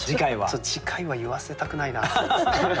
ちょっと次回は言わせたくないなあ。